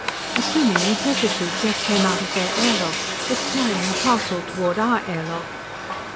A Plumie in a pressure suit just came out of their air lock. It's carrying a parcel toward our air lock."